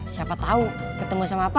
siapa tau ketemu sama pak d